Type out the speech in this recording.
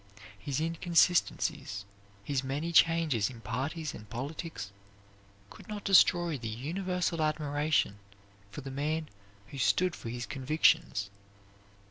His inconsistencies, his many changes in parties and politics, could not destroy the universal admiration for the man who stood for his convictions.